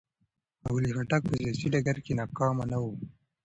ښاغلي خټک په سیاسي ډګر کې ناکامه نه و.